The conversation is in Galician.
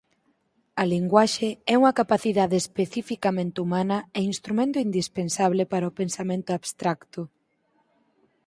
A linguaxe é unha capacidade especificamente humana e instrumento indispensable para o pensamento abstracto.